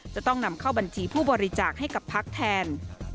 จะต้องนำเข้าบัญชีผู้บริจาคให้กับพักแทน